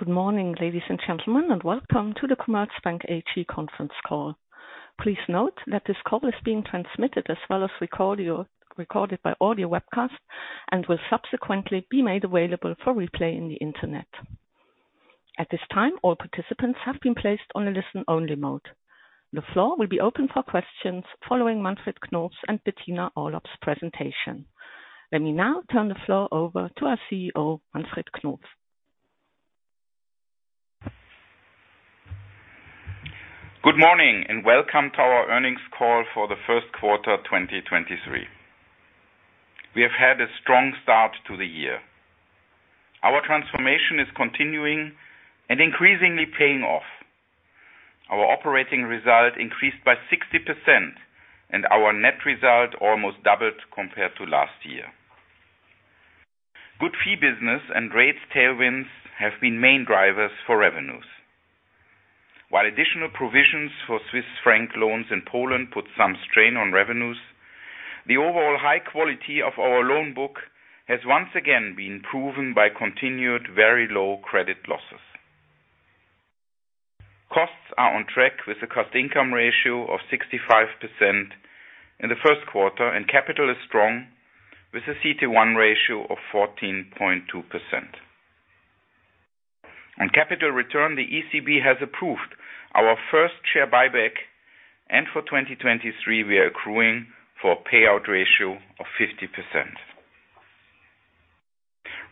Good morning, ladies and gentlemen, welcome to the Commerzbank AG conference call. Please note that this call is being transmitted as well as recorded by audio webcast and will subsequently be made available for replay in the Internet. At this time, all participants have been placed on a listen-only mode. The floor will be open for questions following Manfred Knof's and Bettina Orlopp's presentation. Let me now turn the floor over to our CEO, Manfred Knof. Good morning and welcome to our earnings call for the first quarter, 2023. We have had a strong start to the year. Our transformation is continuing and increasingly paying off. Our operating result increased by 60% and our net result almost doubled compared to last year. Good fee business and rates tailwinds have been main drivers for revenues. While additional provisions for Swiss franc loans in Poland put some strain on revenues, the overall high quality of our loan book has once again been proven by continued very low credit losses. Costs are on track with the cost-income ratio of 65% in the first quarter, and capital is strong with a CET1 ratio of 14.2%. On capital return, the ECB has approved our first share buyback, and for 2023, we are accruing for payout ratio of 50%.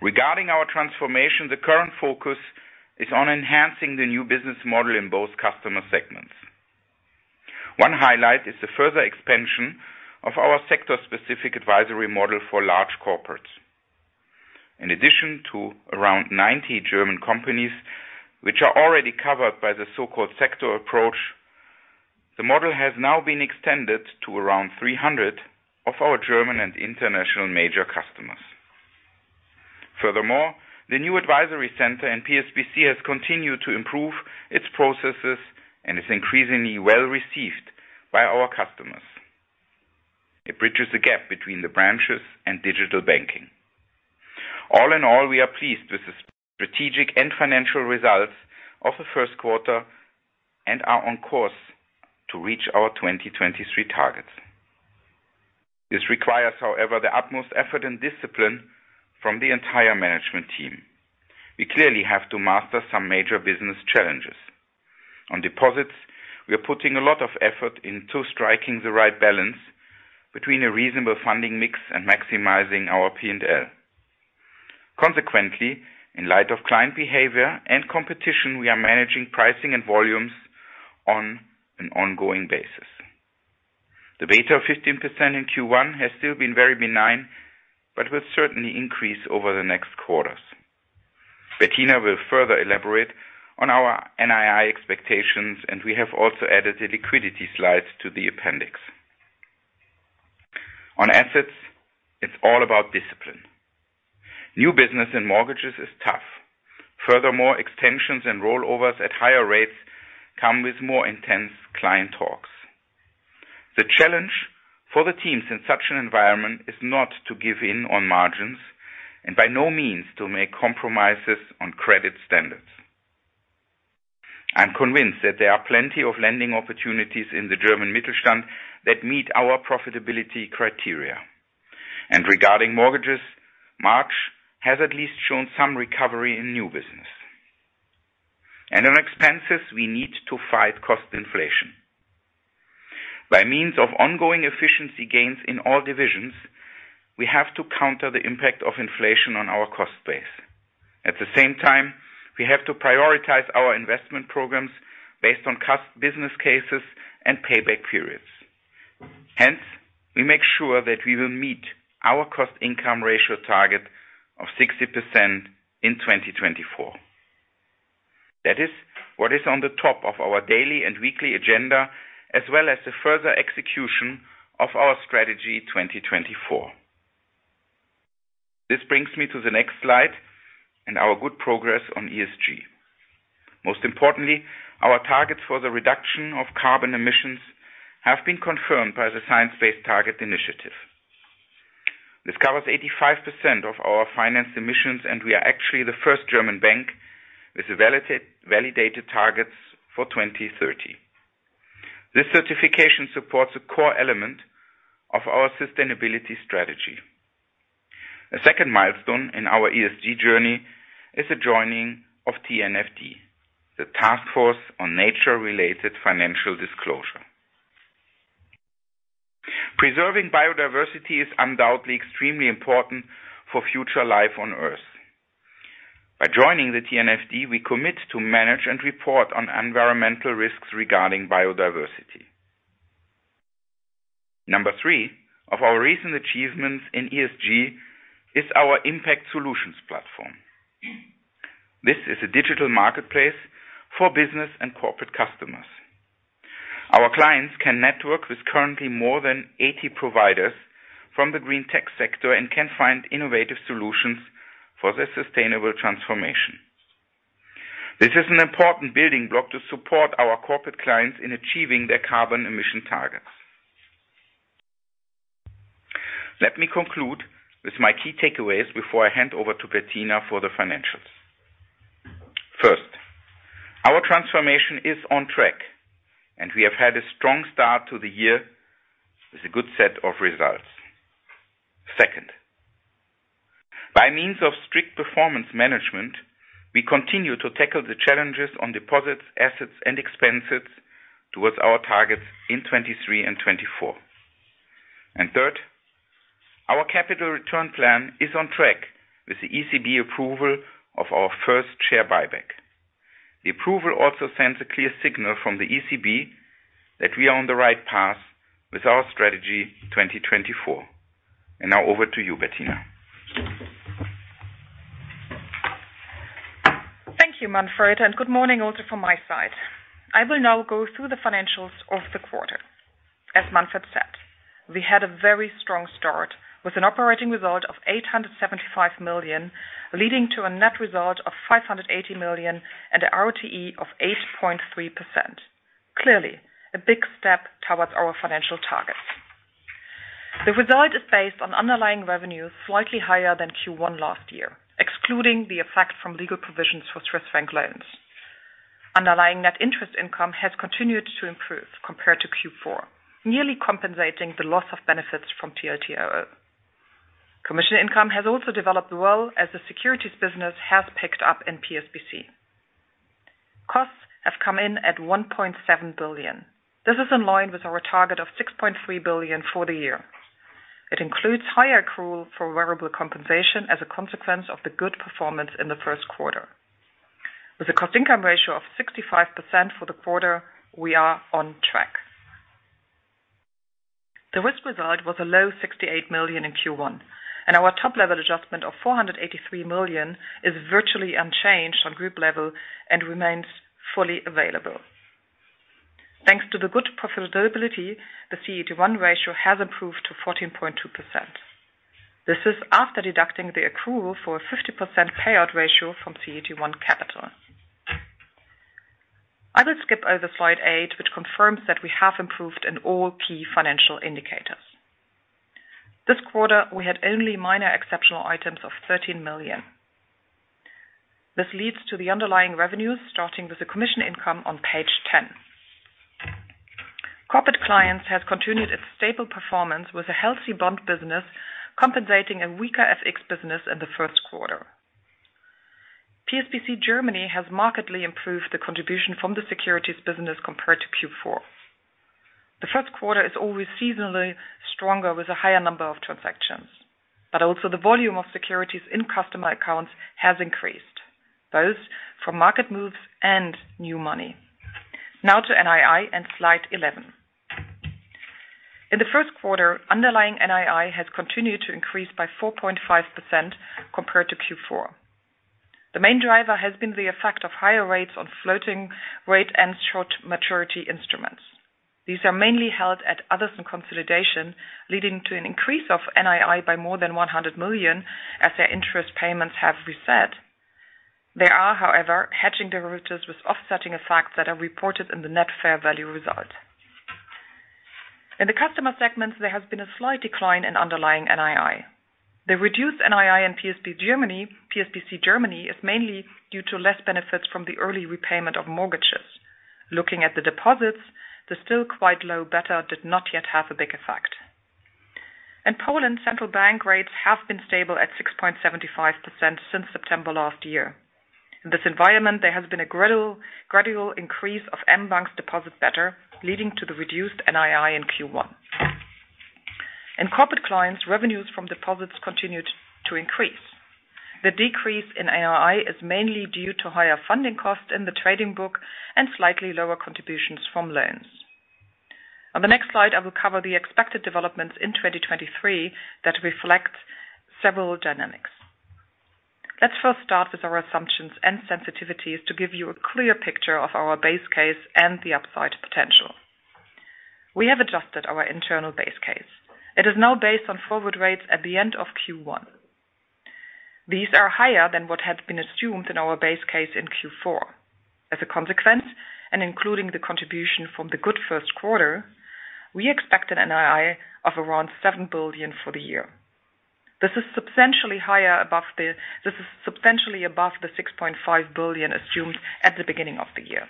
Regarding our transformation, the current focus is on enhancing the new business model in both customer segments. One highlight is the further expansion of our sector-specific advisory model for large corporates. In addition to around 90 German companies, which are already covered by the so-called sector approach, the model has now been extended to around 300 of our German and international major customers. Furthermore, the new advisory center in PSBC has continued to improve its processes and is increasingly well-received by our customers. It bridges the gap between the branches and digital banking. We are pleased with the strategic and financial results of the first quarter and are on course to reach our 2023 targets. This requires, however, the utmost effort and discipline from the entire management team. We clearly have to master some major business challenges. On deposits, we are putting a lot of effort into striking the right balance between a reasonable funding mix and maximizing our P&L. In light of client behavior and competition, we are managing pricing and volumes on an ongoing basis. The beta of 15% in Q1 has still been very benign, but will certainly increase over the next quarters. Bettina will further elaborate on our NII expectations, and we have also added a liquidity slide to the appendix. On assets, it's all about discipline. New business and mortgages is tough. Extensions and rollovers at higher rates come with more intense client talks. The challenge for the teams in such an environment is not to give in on margins and by no means to make compromises on credit standards. I'm convinced that there are plenty of lending opportunities in the German Mittelstand that meet our profitability criteria. Regarding mortgages, March has at least shown some recovery in new business. On expenses, we need to fight cost inflation. By means of ongoing efficiency gains in all divisions, we have to counter the impact of inflation on our cost base. At the same time, we have to prioritize our investment programs based on cost business cases and payback periods. We make sure that we will meet our cost-income ratio target of 60% in 2024. That is what is on the top of our daily and weekly agenda, as well as the further execution of our Strategy 2024. This brings me to the next slide and our good progress on ESG. Most importantly, our targets for the reduction of carbon emissions have been confirmed by the Science Based Targets initiative. This covers 85% of our finance emissions. We are actually the first German bank with validated targets for 2030. This certification supports a core element of our sustainability strategy. A second milestone in our ESG journey is the joining of TNFD, the Taskforce on Nature-related Financial Disclosures. Preserving biodiversity is undoubtedly extremely important for future life on Earth. By joining the TNFD, we commit to manage and report on environmental risks regarding biodiversity. Number 3 of our recent achievements in ESG is our Impact Solutions platform. This is a digital marketplace for business and corporate customers. Our clients can network with currently more than 80 providers from the green tech sector and can find innovative solutions for their sustainable transformation. This is an important building block to support our corporate clients in achieving their carbon emission targets. Let me conclude with my key takeaways before I hand over to Bettina for the financials. First, our transformation is on track and we have had a strong start to the year with a good set of results. Second, by means of strict performance management, we continue to tackle the challenges on deposits, assets and expenses towards our targets in 2023 and 2024. Third, our capital return plan is on track with the ECB approval of our first share buyback. The approval also sends a clear signal from the ECB that we are on the right path with our Strategy 2024. Now over to you, Bettina. Thank you, Manfred. Good morning also from my side. I will now go through the financials of the quarter. As Manfred said, we had a very strong start with an operating result of 875 million, leading to a net result of 580 million and a ROTE of 8.3%. Clearly a big step towards our financial targets. The result is based on underlying revenue slightly higher than Q1 last year, excluding the effect from legal provisions for Swiss franc loans. Underlying net interest income has continued to improve compared to Q4, nearly compensating the loss of benefits from TLTRO. Commission income has also developed well as the securities business has picked up in PSBC. Costs have come in at 1.7 billion. This is in line with our target of 6.3 billion for the year. It includes higher accrual for variable compensation as a consequence of the good performance in the first quarter. With a cost-income ratio of 65% for the quarter, we are on track. The risk result was a low 68 million in Q1 and our top-level adjustment of 483 million is virtually unchanged on group level and remains fully available. Thanks to the good profitability, the CET1 ratio has improved to 14.2%. This is after deducting the accrual for a 50% payout ratio from CET1 capital. I will skip over slide 8, which confirms that we have improved in all key financial indicators. This quarter we had only minor exceptional items of 13 million. This leads to the underlying revenues starting with the commission income on page 10. Corporate clients has continued its stable performance with a healthy bond business compensating a weaker FX business in the first quarter. PSBC Germany has markedly improved the contribution from the securities business compared to Q four. The first quarter is always seasonally stronger with a higher number of transactions, also the volume of securities in customer accounts has increased both from market moves and new money. To NII and slide 11. In the first quarter, underlying NII has continued to increase by 4.5% compared to Q four. The main driver has been the effect of higher rates on floating rate and short maturity instruments. These are mainly held at others in consolidation, leading to an increase of NII by more than 100 million as their interest payments have reset. There are however hedging derivatives with offsetting effects that are reported in the net fair value result. In the customer segments there has been a slight decline in underlying NII. The reduced NII in PSBC Germany is mainly due to less benefits from the early repayment of mortgages. Looking at the deposits, the still quite low beta did not yet have a big effect. In Poland, central bank rates have been stable at 6.75% since September last year. In this environment, there has been a gradual increase of mBank's deposit beta, leading to the reduced NII in Q1. In corporate clients, revenues from deposits continued to increase. The decrease in NII is mainly due to higher funding costs in the trading book and slightly lower contributions from loans. On the next slide, I will cover the expected developments in 2023 that reflect several dynamics. Let's first start with our assumptions and sensitivities to give you a clear picture of our base case and the upside potential. We have adjusted our internal base case. It is now based on forward rates at the end of Q1. These are higher than what had been assumed in our base case in Q4. As a consequence, and including the contribution from the good first quarter, we expect an NII of around 7 billion for the year. This is substantially above the 6.5 billion assumed at the beginning of the year.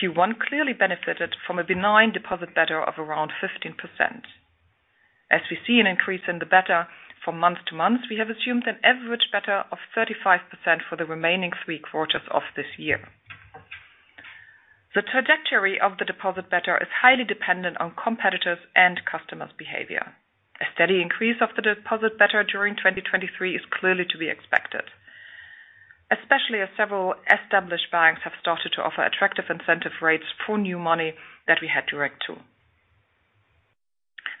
Q1 clearly benefited from a benign deposit beta of around 15%. As we see an increase in the beta from month-to-month, we have assumed an average beta of 35% for the remaining 3 quarters of this year. The trajectory of the deposit beta is highly dependent on competitors and customers behavior. A steady increase of the deposit beta during 2023 is clearly to be expected, especially as several established banks have started to offer attractive incentive rates for new money that we had direct to.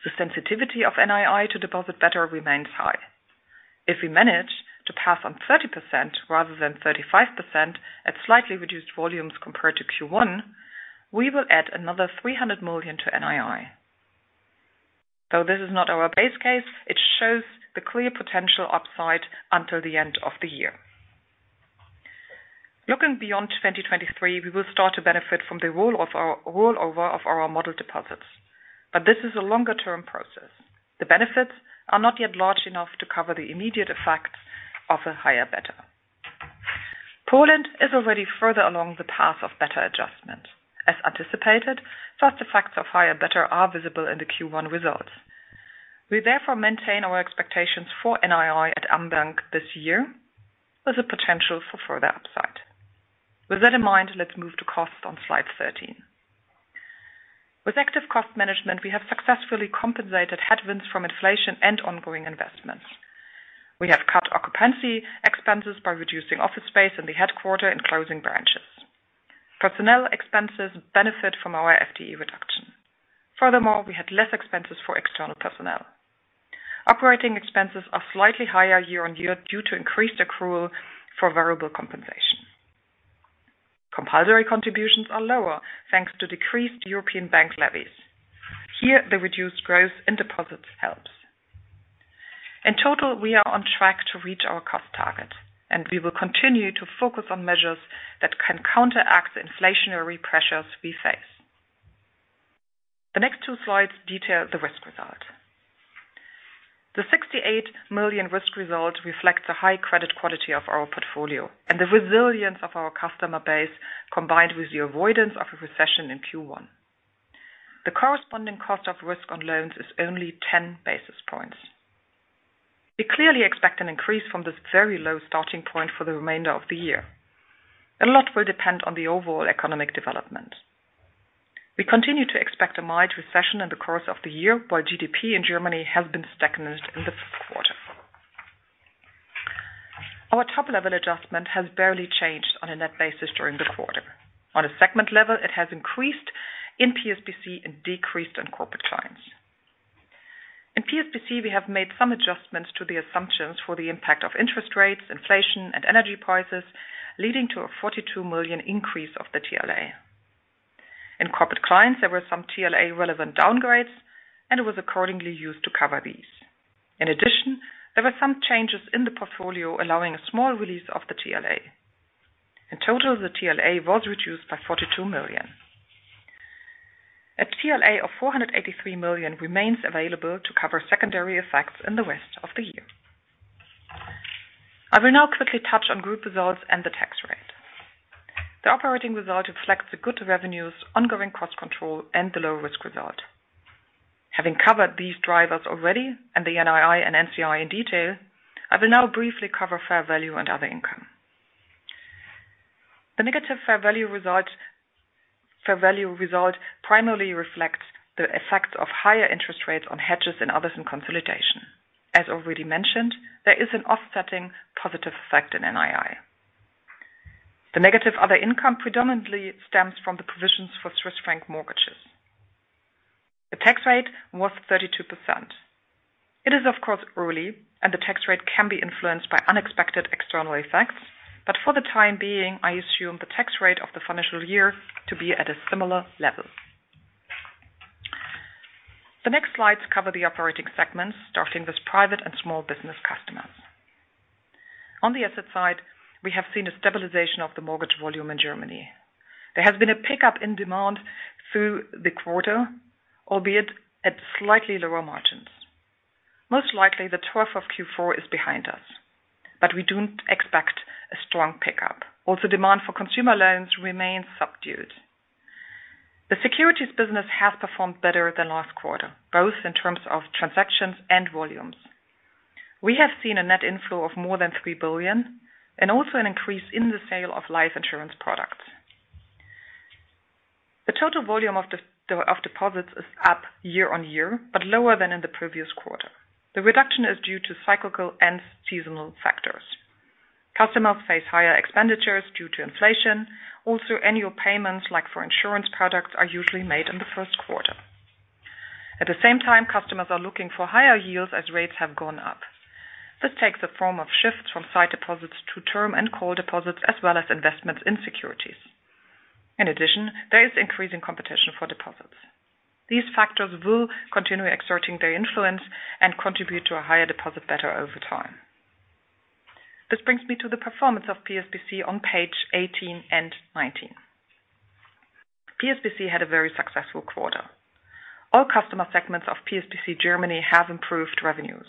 The sensitivity of NII to deposit beta remains high. If we manage to pass on 30% rather than 35% at slightly reduced volumes compared to Q one, we will add another 300 million to NII. This is not our base case, it shows the clear potential upside until the end of the year. Looking beyond 2023, we will start to benefit from the rollover of our model deposits, but this is a longer-term process. The benefits are not yet large enough to cover the immediate effects of a higher beta. Poland is already further along the path of beta adjustment. As anticipated, first effects of higher beta are visible in the Q1 results. We therefore maintain our expectations for NII at mBank this year with the potential for further upside. That in mind, let's move to cost on slide 13. Active cost management, we have successfully compensated headwinds from inflation and ongoing investments. We have cut occupancy expenses by reducing office space in the headquarter and closing branches. Personnel expenses benefit from our FTE reduction. Furthermore, we had less expenses for external personnel. Operating expenses are slightly higher year-over-year due to increased accrual for variable compensation. Compulsory contributions are lower, thanks to decreased European bank levies. Here, the reduced growth in deposits helps. In total, we are on track to reach our cost target, and we will continue to focus on measures that can counteract the inflationary pressures we face. The next two slides detail the risk result. The 68 million risk result reflects a high credit quality of our portfolio and the resilience of our customer base, combined with the avoidance of a recession in Q1. The corresponding cost of risk on loans is only 10 basis points. We clearly expect an increase from this very low starting point for the remainder of the year. A lot will depend on the overall economic development. We continue to expect a mild recession in the course of the year, while GDP in Germany has been stagnant in the fourth quarter. Our top-level adjustment has barely changed on a net basis during the quarter. On a segment level, it has increased in PSBC and decreased in corporate clients. In PSBC, we have made some adjustments to the assumptions for the impact of interest rates, inflation, and energy prices, leading to a 42 million increase of the TLA. In corporate clients, there were some TLA-relevant downgrades, and it was accordingly used to cover these. In addition, there were some changes in the portfolio allowing a small release of the TLA. In total, the TLA was reduced by 42 million. A TLA of 483 million remains available to cover secondary effects in the rest of the year. I will now quickly touch on group results and the tax rate. The operating result reflects the good revenues, ongoing cost control, and the low risk result. Having covered these drivers already and the NII and NCI in detail, I will now briefly cover fair value and other income. The negative fair value result primarily reflects the effect of higher interest rates on hedges and others in consolidation. As already mentioned, there is an offsetting positive effect in NII. The negative other income predominantly stems from the provisions for Swiss franc mortgages. The tax rate was 32%. It is, of course, early, and the tax rate can be influenced by unexpected external effects. For the time being, I assume the tax rate of the financial year to be at a similar level. The next slides cover the operating segments, starting with Private and Small-Business Customers. On the asset side, we have seen a stabilization of the mortgage volume in Germany. There has been a pickup in demand through the quarter, albeit at slightly lower margins. Most likely, the trough of Q4 is behind us, but we don't expect a strong pickup. Demand for consumer loans remains subdued. The securities business has performed better than last quarter, both in terms of transactions and volumes. We have seen a net inflow of more than 3 billion and also an increase in the sale of life insurance products. The total volume of deposits is up year-over-year, but lower than in the previous quarter. The reduction is due to cyclical and seasonal factors. Customers face higher expenditures due to inflation. Annual payments, like for insurance products, are usually made in the first quarter. At the same time, customers are looking for higher yields as rates have gone up. This takes the form of shifts from sight deposits to term and call deposits, as well as investments in securities. In addition, there is increasing competition for deposits. These factors will continue exerting their influence and contribute to a higher deposit beta over time. This brings me to the performance of PSBC on page 18 and 19. PSBC had a very successful quarter. All customer segments of PSBC Germany have improved revenues.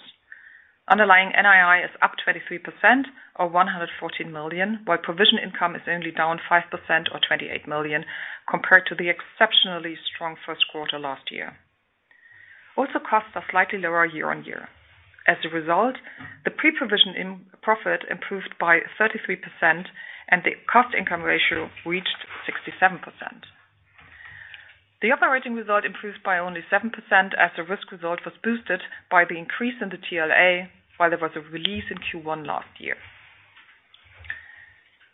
Underlying NII is up 23% or 114 million, while provision income is only down 5% or 28 million compared to the exceptionally strong first quarter last year. Costs are slightly lower year-on-year. The Pre-Provision Profit improved by 33% and the cost-income ratio reached 67%. The operating result improved by only 7% as the risk result was boosted by the increase in the TLA, while there was a release in Q1 last year.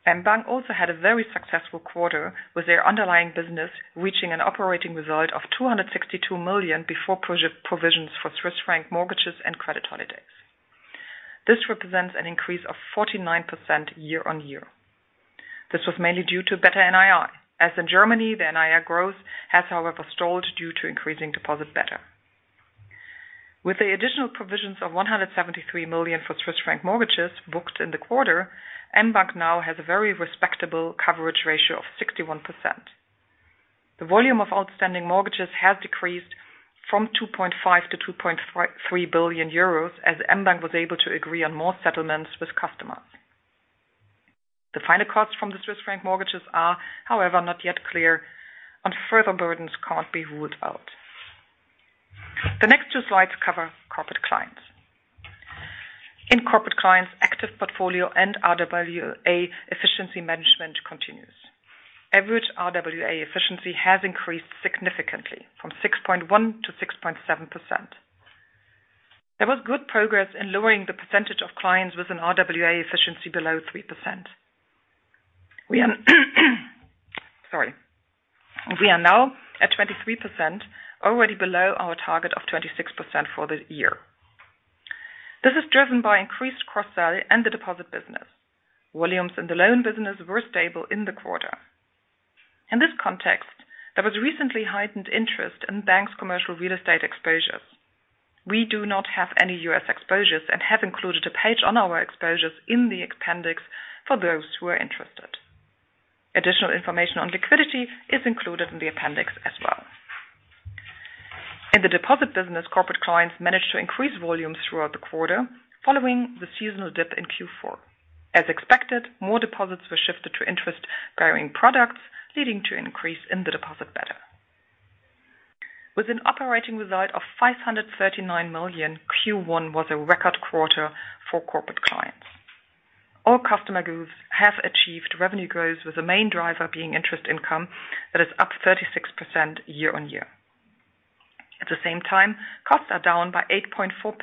mBank also had a very successful quarter with their underlying business, reaching an operating result of 262 million before provisions for Swiss franc mortgages and credit holidays. This represents an increase of 49% year-on-year. This was mainly due to better NII. In Germany, the NII growth has, however, stalled due to increasing deposit beta. With the additional provisions of 173 million for Swiss franc mortgages booked in the quarter, mBank now has a very respectable coverage ratio of 61%. The volume of outstanding mortgages has decreased from 2.5 billion-2.53 billion euros, as mBank was able to agree on more settlements with customers. The final costs from the Swiss franc mortgages are, however, not yet clear, and further burdens can't be ruled out. The next two slides cover corporate clients. In corporate clients, active portfolio and RWA efficiency management continues. Average RWA efficiency has increased significantly from 6.1%-6.7%. There was good progress in lowering the percentage of clients with an RWA efficiency below 3%. We are Sorry. We are now at 23%, already below our target of 26% for the year. This is driven by increased cross-sell and the deposit business. Volumes in the loan business were stable in the quarter. In this context, there was recently heightened interest in banks' commercial real estate exposures. We do not have any US exposures and have included a page on our exposures in the appendix for those who are interested. Additional information on liquidity is included in the appendix as well. In the deposit business, corporate clients managed to increase volumes throughout the quarter following the seasonal dip in Q4. As expected, more deposits were shifted to interest-bearing products, leading to increase in the deposit beta. With an operating result of 539 million, Q1 was a record quarter for corporate clients. All customer groups have achieved revenue growth, with the main driver being interest income that is up 36% year-on-year. At the same time, costs are down by 8.4%.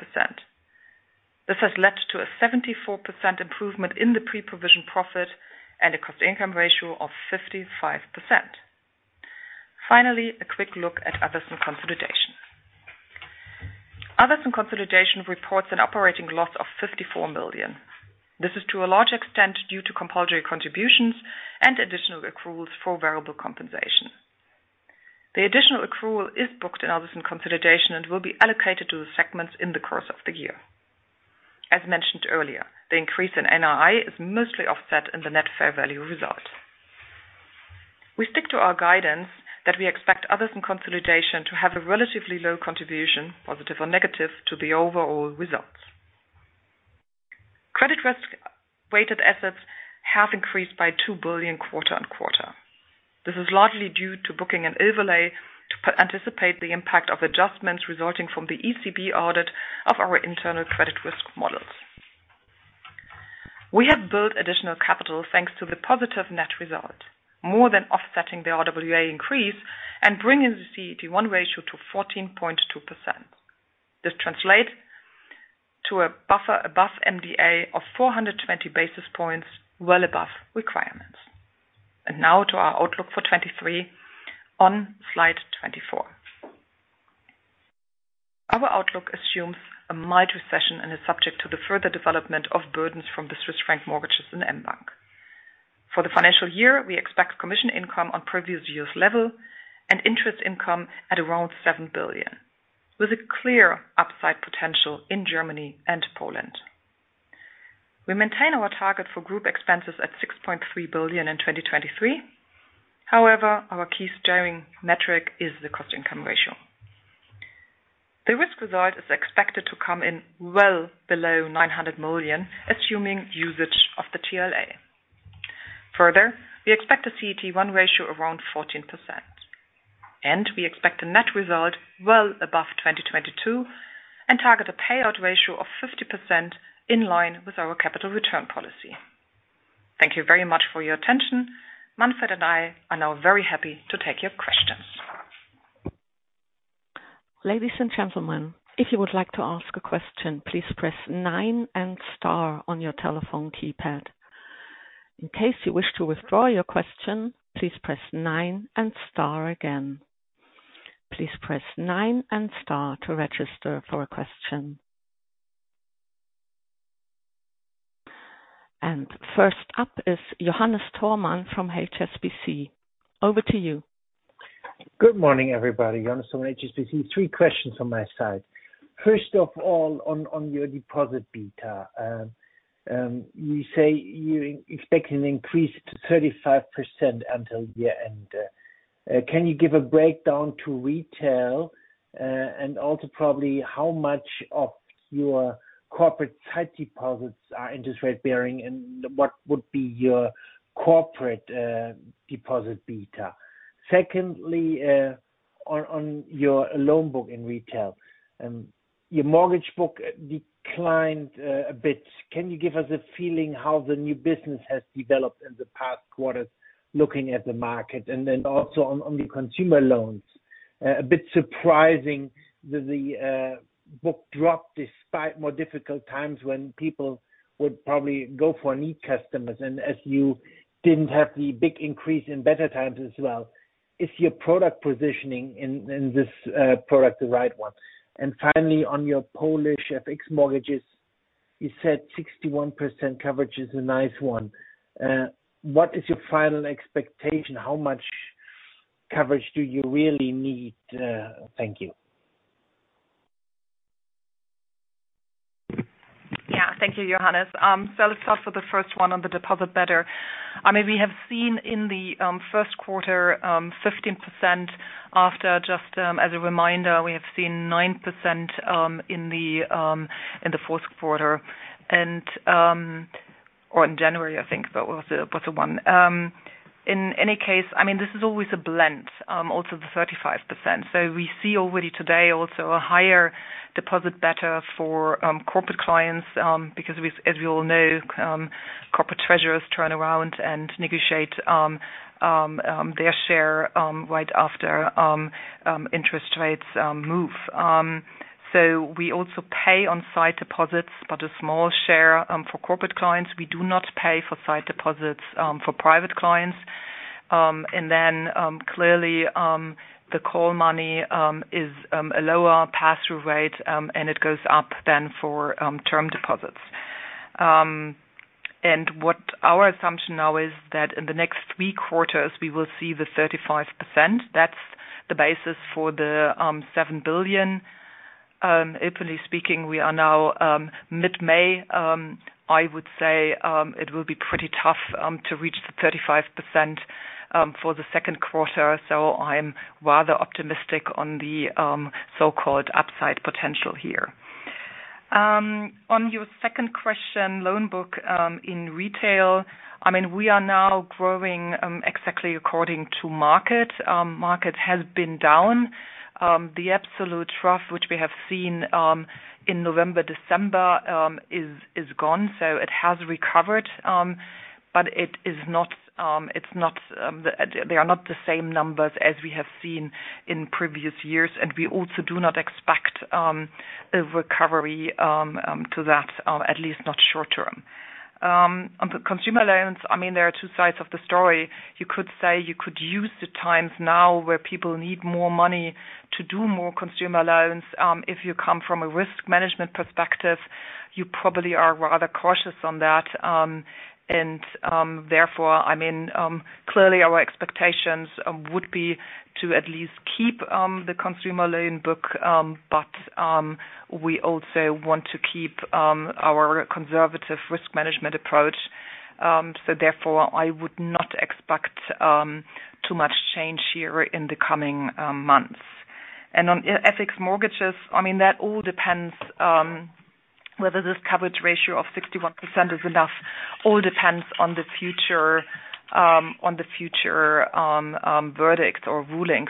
This has led to a 74% improvement in the Pre-Provision Profit and a cost-income ratio of 55%. Finally, a quick look at others and consolidation. Others and Consolidation reports an operating loss of 54 million. This is to a large extent due to compulsory contributions and additional accruals for variable compensation. The additional accrual is booked in Others and Consolidation and will be allocated to the segments in the course of the year. As mentioned earlier, the increase in NII is mostly offset in the net fair value result. We stick to our guidance that we expect Others and Consolidation to have a relatively low contribution, positive or negative, to the overall results. Credit risk weighted assets have increased by 2 billion quarter-on-quarter. This is largely due to booking an overlay to anticipate the impact of adjustments resulting from the ECB audit of our internal credit risk models. We have built additional capital thanks to the positive net result, more than offsetting the RWA increase and bringing the CET1 ratio to 14.2%. This translates to a buffer above MDA of 420 basis points, well above requirements. Now to our outlook for 2023 on slide 24. Our outlook assumes a mild recession and is subject to the further development of burdens from the Swiss franc mortgages in mBank. For the financial year, we expect commission income on previous year's level and interest income at around 7 billion, with a clear upside potential in Germany and Poland. We maintain our target for group expenses at 6.3 billion in 2023. Our key steering metric is the cost-income ratio. The risk result is expected to come in well below 900 million, assuming usage of the TLA. We expect a CET1 ratio around 14%, and we expect a net result well above 2022 and target a payout ratio of 50% in line with our capital return policy. Thank you very much for your attention. Manfred and I are now very happy to take your questions. Ladies and gentlemen, if you would like to ask a question, please press nine and star on your telephone keypad. In case you wish to withdraw your question, please press nine and star again. Please press nine and star to register for a question. First up is Johannes Thormann from HSBC. Over to you. Good morning, everybody. Johannes Thormann, HSBC. three questions on my side. First of all, on your deposit beta. You say you expect an increase to 35% until year-end. Can you give a breakdown to retail? And also probably how much of your corporate side deposits are interest rate bearing and what would be your corporate deposit beta? Secondly, on your loan book in retail, your mortgage book declined a bit. Can you give us a feeling how the new business has developed in the past quarters, looking at the market? Also on the consumer loans, a bit surprising that the book dropped despite more difficult times when people would probably go for new customers and as you didn't have the big increase in better times as well. Is your product positioning in this product the right one? Finally, on your Polish FX mortgages, you said 61% coverage is a nice one. What is your final expectation? How much coverage do you really need? Thank you. Thank you, Johannes. Let's start with the first one on the deposit beta. I mean, we have seen in the first quarter, 15% after just, as a reminder, we have seen 9% in the fourth quarter and or in January, I think that was the, was the one. In any case, I mean this is always a blend, also the 35%. We see already today also a higher deposit beta for corporate clients, because we, as we all know, corporate treasurers turn around and negotiate their share right after interest rates move. We also pay on sight deposits but a small share for corporate clients. We do not pay for sight deposits for private clients. Clearly, the call money is a lower pass-through rate, and it goes up than for term deposits. What our assumption now is that in the next three quarters we will see the 35%. That's the basis for the 7 billion. Equally speaking, we are now mid-May. I would say, it will be pretty tough to reach the 35% for the second quarter. I'm rather optimistic on the so-called upside potential here. On your second question, loan book, in retail, I mean, we are now growing exactly according to market. Market has been down. The absolute trough which we have seen in November, December, is gone. It has recovered, but it is not, it's not, they are not the same numbers as we have seen in previous years. We also do not expect a recovery to that, at least not short term. On the consumer loans, I mean, there are two sides of the story. You could say you could use the times now where people need more money to do more consumer loans. If you come from a risk management perspective, you probably are rather cautious on that. Therefore, I mean, clearly our expectations would be to at least keep the consumer loan book. We also want to keep our conservative risk management approach. Therefore, I would not expect too much change here in the coming months. On FX mortgages, I mean, that all depends whether this coverage ratio of 61% is enough. All depends on the future verdict or rulings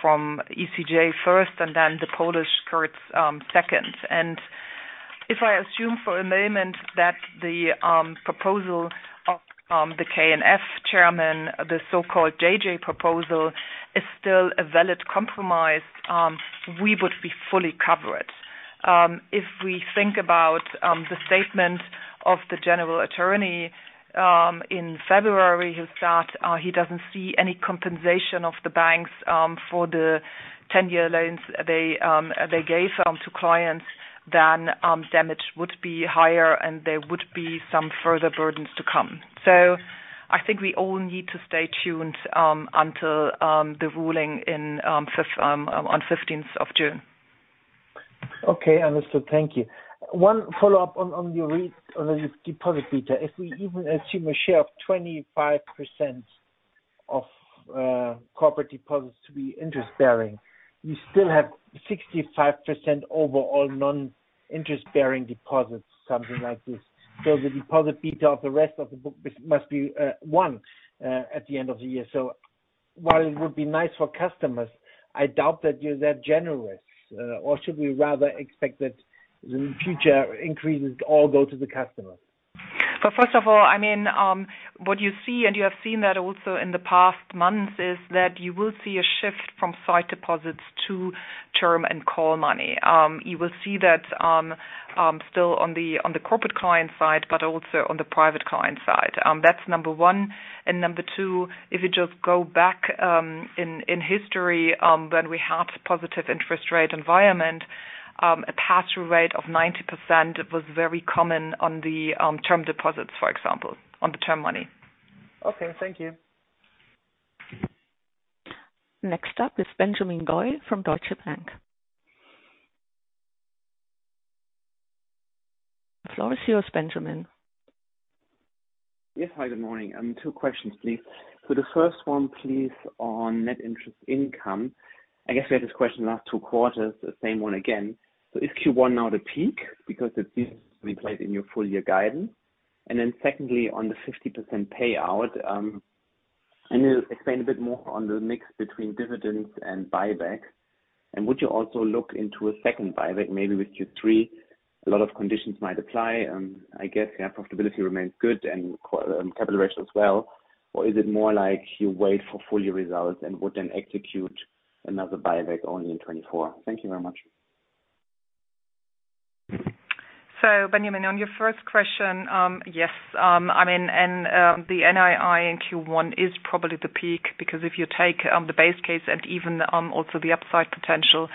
from ECJ first and then the Polish courts second. If I assume for a moment that the proposal of the KNF chairman, the so-called JJ proposal, is still a valid compromise, we would be fully covered. If we think about the statement of the general attorney in February, who said he doesn't see any compensation of the banks for the 10-year loans they gave to clients, then damage would be higher, and there would be some further burdens to come. I think we all need to stay tuned, until the ruling on 15th of June. Understood. Thank you. One follow-up on your on the deposit beta. If we even assume a share of 25% of corporate deposits to be interest bearing, you still have 65% overall non-interest bearing deposits, something like this. The deposit beta of the rest of the book must be 1 at the end of the year. While it would be nice for customers, I doubt that you're that generous. Or should we rather expect that the future increases all go to the customers? First of all, I mean, what you see and you have seen that also in the past months, is that you will see a shift from sight deposits to term and call money. You will see that still on the corporate client side, but also on the private client side. That's number one. Number two, if you just go back in history, when we had positive interest rate environment, a pass-through rate of 90% was very common on the term deposits, for example, on the term money. Okay. Thank you. Next up is Benjamin Goy from Deutsche Bank. The floor is yours, Benjamin. Yes. Hi, good morning. 2 questions, please. For the first one, please, on Net Interest Income. I guess we had this question last 2 quarters, the same one again. Is Q1 now the peak? Because it seems to be priced in your full year guidance. Secondly, on the 50% payout, can you explain a bit more on the mix between dividends and buyback? Would you also look into a second buyback maybe with Q3? A lot of conditions might apply, I guess, profitability remains good and capital ratio as well. Is it more like you wait for full year results and would then execute another buyback only in 2024? Thank you very much. Benjamin, on your first question, yes. I mean, and, the NII in Q1 is probably the peak because if you take the base case and even also the upside potential.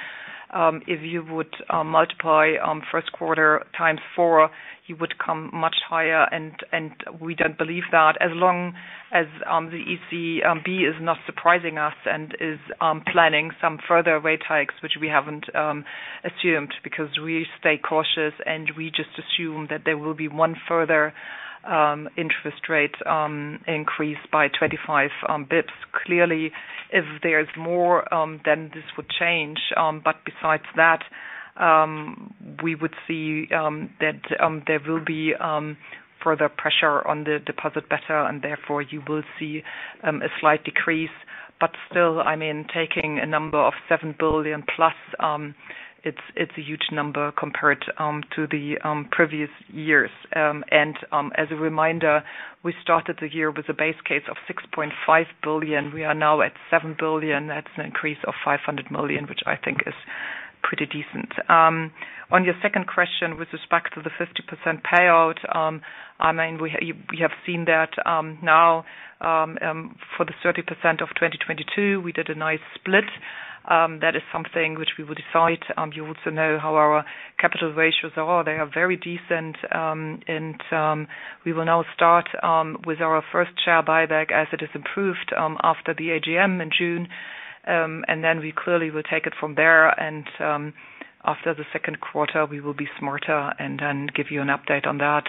If you would multiply first quarter times 4, you would come much higher and we don't believe that as long as the ECB is not surprising us and is planning some further rate hikes, which we haven't assumed because we stay cautious and we just assume that there will be one further interest rate increase by 25 basis points. Clearly, if there's more, then this would change. Besides that, we would see that there will be further pressure on the deposit beta, and therefore you will see a slight decrease. Still, taking a number of 7 billion plus, it's a huge number compared to the previous years. As a reminder, we started the year with a base case of 6.5 billion. We are now at 7 billion. That's an increase of 500 million, which I think is pretty decent. On your second question, with respect to the 50% payout, we have seen that now for the 30% of 2022, we did a nice split. That is something which we will decide. You also know how our capital ratios are. They are very decent, we will now start with our first share buyback as it is approved after the AGM in June. Then we clearly will take it from there, and, after the second quarter, we will be smarter and then give you an update on that.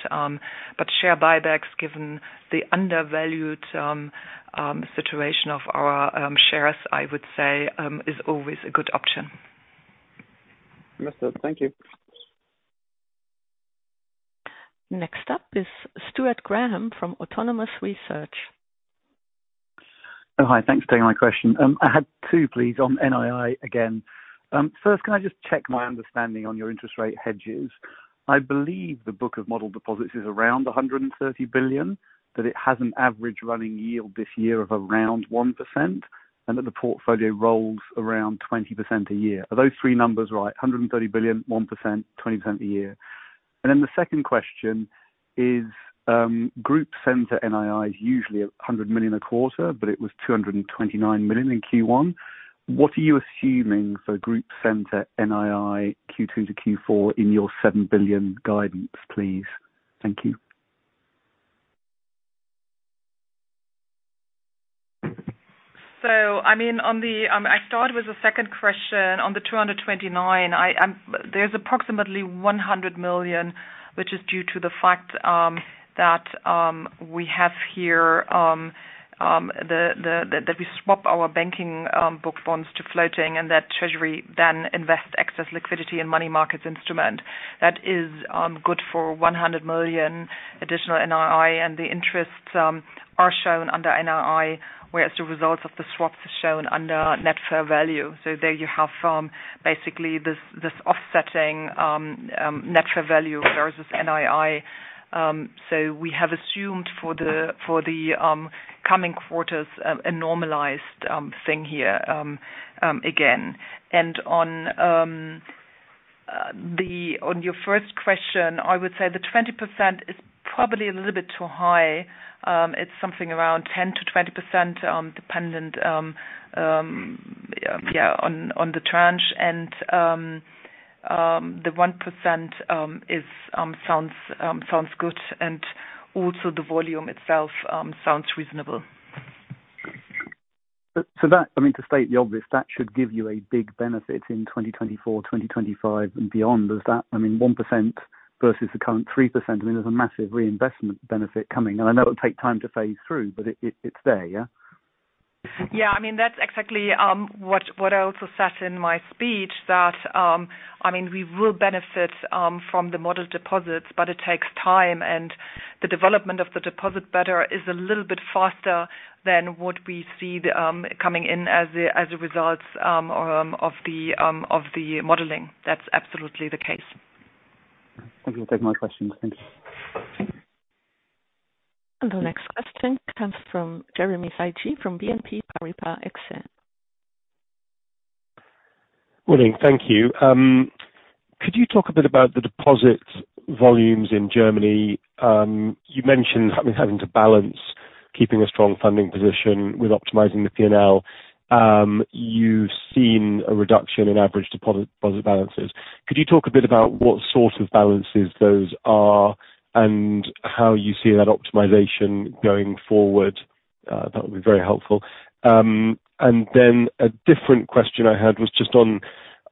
Share buybacks, given the undervalued situation of our shares, I would say, is always a good option. Understood. Thank you. Next up is Stuart Graham from Autonomous Research. Hi. Thanks for taking my question. I had two, please, on NII again. First, can I just check my understanding on your interest rate hedges? I believe the book of model deposits is around 130 billion, that it has an average running yield this year of around 1%, and that the portfolio rolls around 20% a year. Are those three numbers right? 130 billion, 1%, 20% a year. The second question is, group center NII is usually 100 million a quarter, but it was 229 million in Q1. What are you assuming for group center NII Q2 to Q4 in your 7 billion guidance, please? Thank you. I mean, on the, I start with the second question on the 229. I, there's approximately 100 million, which is due to the fact that we have here the that we swap our banking book funds to floating and that Treasury then invests excess liquidity in money markets instrument. That is good for 100 million additional NII, and the interests are shown under NII, whereas the results of the swaps are shown under net fair value. There you have basically this offsetting net fair value versus NII. We have assumed for the coming quarters a normalized thing here again. On your first question, I would say the 20% is probably a little bit too high. It's something around 10%-20%, dependent, yeah, on the tranche. The 1% is sounds good, and also the volume itself, sounds reasonable. That, I mean, to state the obvious, that should give you a big benefit in 2024, 2025 and beyond. Is that, I mean, 1% versus the current 3%, I mean, there's a massive reinvestment benefit coming, and I know it'll take time to phase through, but it's there, yeah? Yeah. I mean, that's exactly what I also said in my speech that, I mean, we will benefit from the model deposits, but it takes time. The development of the deposit beta is a little bit faster than what we see coming in as a result of the modeling. That's absolutely the case. Thank you for taking my questions. Thank you. The next question comes from Jeremy Sigee from BNP Paribas Exane. Morning. Thank you. Could you talk a bit about the deposit volumes in Germany? You mentioned having to balance keeping a strong funding position with optimizing the P&L. You've seen a reduction in average deposit balances. Could you talk a bit about what sort of balances those are and how you see that optimization going forward? That would be very helpful. A different question I had was just on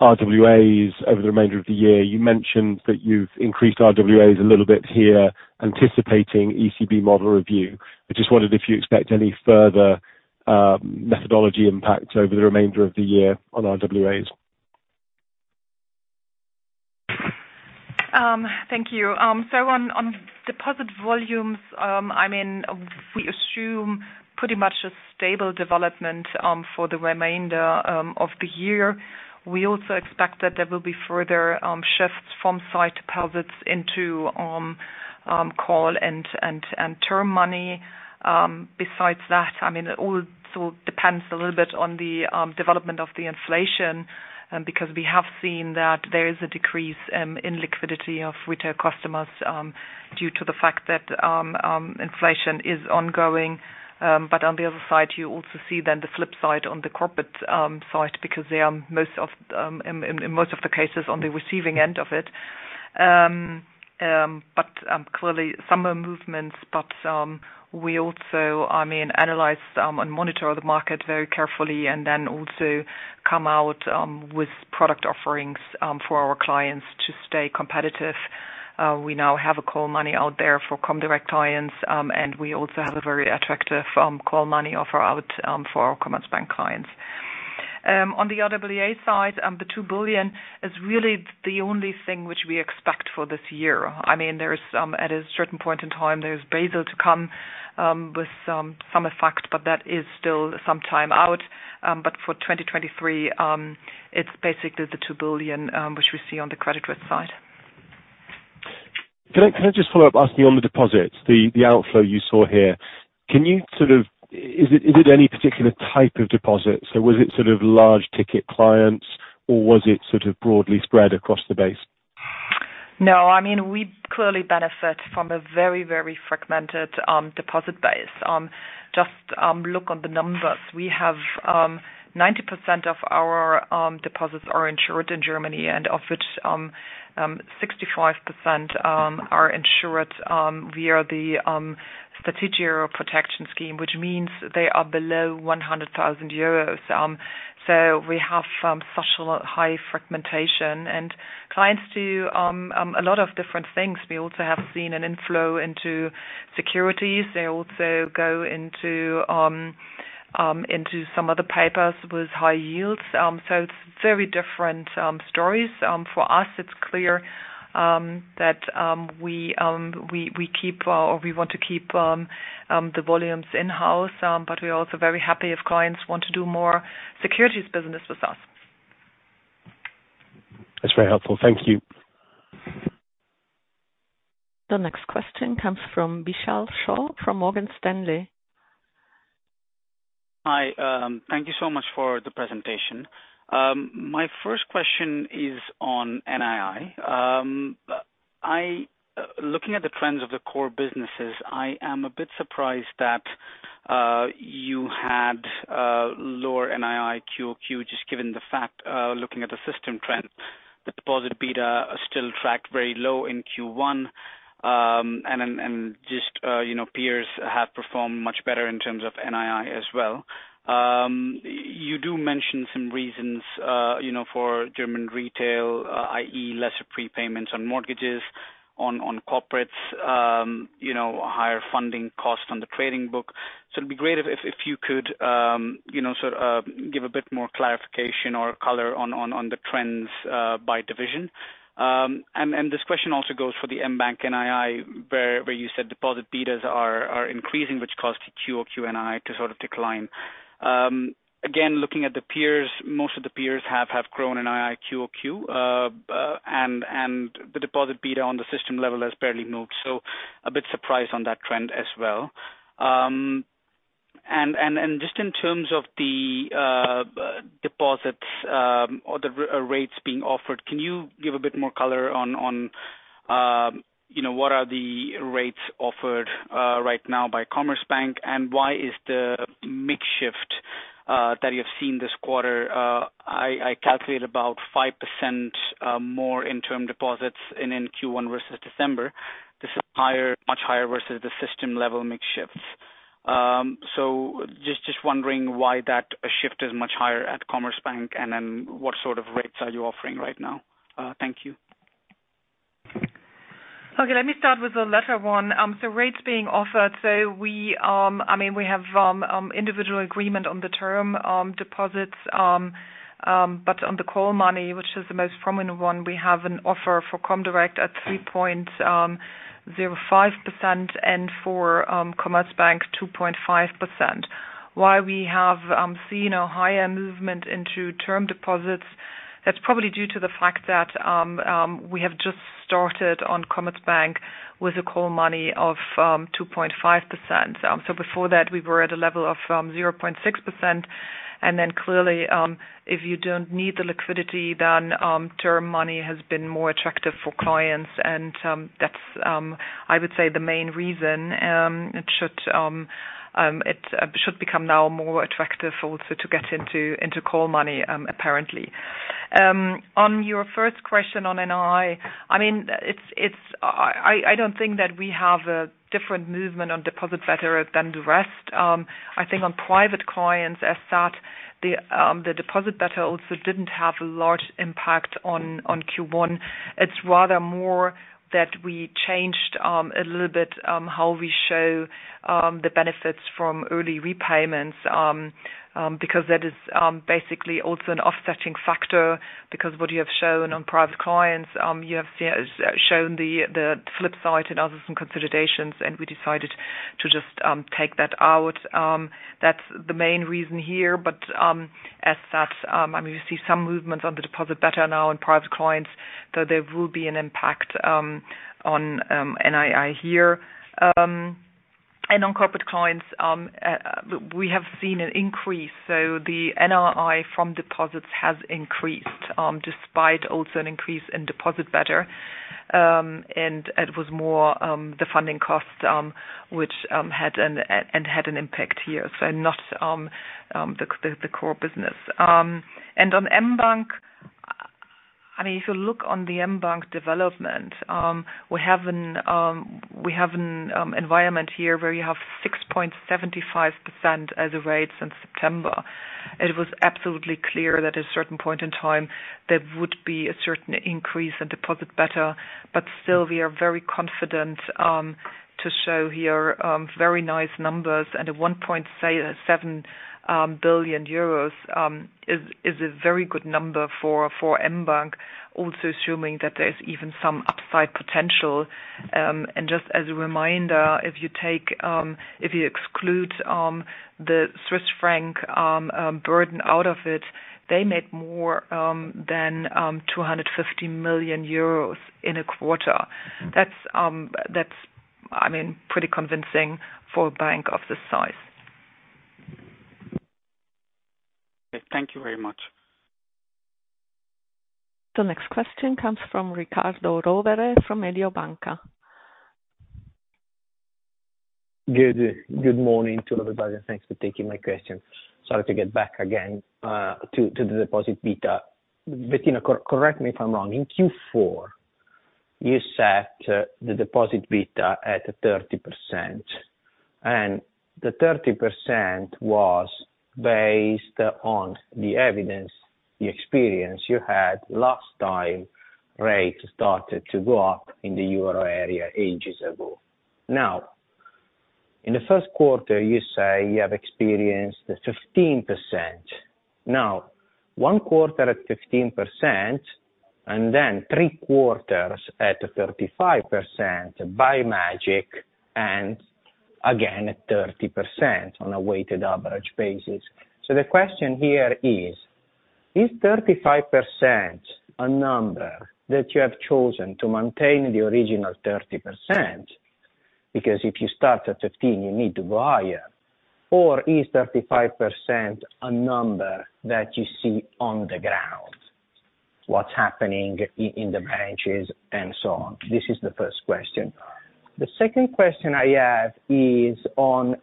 RWAs over the remainder of the year. You mentioned that you've increased RWAs a little bit here, anticipating ECB model review. I just wondered if you expect any further methodology impact over the remainder of the year on RWAs. Thank you. On deposit volumes, I mean, we assume pretty much a stable development for the remainder of the year. We also expect that there will be further shifts from sight deposits into call and term money. Besides that, I mean, it all sort of depends a little bit on the development of the inflation, because we have seen that there is a decrease in liquidity of retail customers due to the fact that inflation is ongoing. On the other side, you also see then the flip side on the corporate side because they are most of, in most of the cases on the receiving end of it. Clearly some are movements, but we also, I mean, analyze and monitor the market very carefully and then also come out with product offerings for our clients to stay competitive. We now have a call money out there for comdirect clients, and we also have a very attractive call money offer out for our Commerzbank clients. On the RWA side, the 2 billion is really the only thing which we expect for this year. I mean, there is at a certain point in time, there's Basel to come with some effect, but that is still some time out. For 2023, it's basically the 2 billion which we see on the credit risk side. Can I just follow up asking on the deposits, the outflow you saw here? Is it any particular type of deposit? Was it sort of large ticket clients or was it sort of broadly spread across the base? No. I mean, we clearly benefit from a very, very fragmented deposit base. Just look on the numbers. We have 90% of our deposits are insured in Germany and of which 65% are insured via the strategic euro protection scheme, which means they are below 100,000 euros. We have such a high fragmentation and clients do a lot of different things. We also have seen an inflow into securities. They also go into some of the papers with high yields. It's very different stories. For us, it's clear that we want to keep the volumes in-house, but we're also very happy if clients want to do more securities business with us. That's very helpful. Thank you. The next question comes from Sanjay Shah from Morgan Stanley. Hi. Thank you so much for the presentation. My first question is on NII. Looking at the trends of the core businesses, I am a bit surprised that you had lower NII QOQ just given the fact, looking at the system trend. The deposit beta still tracked very low in Q1, and just, you know, peers have performed much better in terms of NII as well. You do mention some reasons, you know, for German retail, i.e., lesser prepayments on mortgages on corporates, you know, higher funding costs on the trading book. It'd be great if you could, you know, sort of, give a bit more clarification or color on the trends by division. This question also goes for the mBank NII where you said deposit betas are increasing, which caused the QOQ NI to sort of decline. Again, looking at the peers, most of the peers have grown NII QOQ. The deposit beta on the system level has barely moved. A bit surprised on that trend as well. Just in terms of the deposits, or the rates being offered, can you give a bit more color on, you know, what are the rates offered right now by Commerzbank, and why is the mix shift that you have seen this quarter, I calculate about 5% more in term deposits in Q1 versus December. This is higher, much higher versus the system level mix shifts. Just wondering why that shift is much higher at Commerzbank and then what sort of rates are you offering right now? Thank you. Okay, let me start with the latter one. The rates being offered. We, I mean, we have individual agreement on the term deposits. But on the call money, which is the most prominent one, we have an offer for comdirect at 3.05% and for Commerzbank 2.5%. Why we have seen a higher movement into term deposits, that's probably due to the fact that we have just started on Commerzbank with a call money of 2.5%. Before that, we were at a level of 0.6%. Clearly, if you don't need the liquidity then, term money has been more attractive for clients and that's I would say the main reason. It should become now more attractive also to get into call money, apparently. On your first question on NII, I mean, I don't think that we have a different movement on deposit beta than the rest. I think on private clients as that the deposit beta also didn't have a large impact on Q1. It's rather more that we changed a little bit how we show the benefits from early repayments because that is basically also an offsetting factor because what you have shown on private clients, you have shown the flip side and also some consolidations, and we decided to just take that out. That's the main reason here. As that, I mean, we see some movement on the deposit beta now in private clients, so there will be an impact on NII here. On corporate clients, we have seen an increase. The NII from deposits has increased, despite also an increase in deposit beta. It was more the funding costs which had an impact here, so not the core business. On mBank, I mean, if you look on the mBank development, we have an environment here where you have 6.75% as a rate since September. It was absolutely clear that at a certain point in time there would be a certain increase in deposit beta, but still we are very confident to show here very nice numbers and 1.7 billion euros is a very good number for mBank, also assuming that there's even some upside potential. Just as a reminder, if you take if you exclude the Swiss franc burden out of it, they made more than 250 million euros in a quarter. That's that's I mean pretty convincing for a bank of this size. Thank you very much. The next question comes from Riccardo Rovere from Mediobanca. Good morning to everybody. Thanks for taking my question. Sorry to get back again to the deposit beta. Bettina, correct me if I'm wrong, in Q4, you set the deposit beta at 30%. The 30% was based on the evidence, the experience you had last time rates started to go up in the Euro area ages ago. Now, in the first quarter, you say you have experienced 15%. Now, one quarter at 15% and then three quarters at 35% by magic and again at 30% on a weighted average basis. The question here is 35% a number that you have chosen to maintain the original 30%? Because if you start at 15, you need to go higher. Is 35% a number that you see on the ground, what's happening in the branches, and so on? This is the first question. The second question I have is on,